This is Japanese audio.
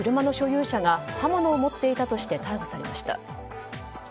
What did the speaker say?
交番に突っ込んだ車の所有者が刃物を持っていたとして逮捕されました。